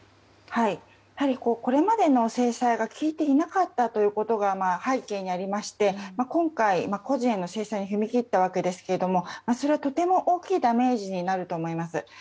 これまでの制裁が効いていなかったということが背景にありまして今回、個人の資産に踏み切ったわけですがそれはとても大きいダメージになると思います。